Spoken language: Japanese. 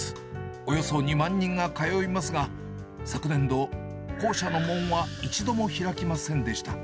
およそ２万人が通いますが、昨年度、校舎の門は一度も開きませんでした。